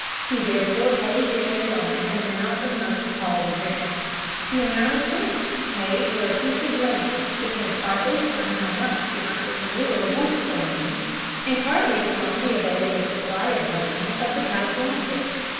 He therefore pays the land owner an amount of money called rent. The amount of rent paid for a piece of land depends partly upon how much the entrepreneur wants the land, and partly upon the available supply of land of the type wanted.